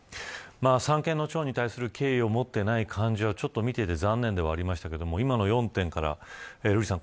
三権の長に対する敬意を持っていない感じは見ていて残念ではありましたけども今の４点から瑠麗さん